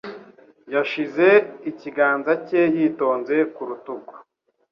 Yashyize ikiganza cye yitonze ku rutugu.